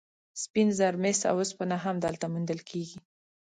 سپین زر، مس او اوسپنه هم دلته موندل کیږي.